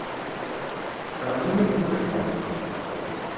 Teɣli-yam tmacwart.